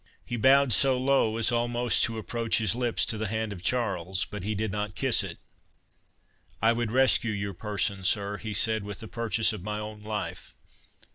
He bowed so low as almost to approach his lips to the hand of Charles—but he did not kiss it.—"I would rescue your person, sir," he said, "with the purchase of my own life.